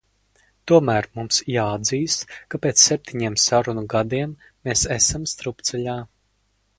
Tomēr mums jāatzīst, ka pēc septiņiem sarunu gadiem mēs esam strupceļā.